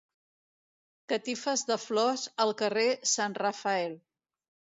Catifes de flors al carrer Sant Rafael.